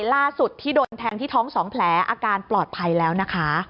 ล่าสุดที่โดนแทงที่ท้อง๒แผลอาการปลอดภัยแล้วนะคะ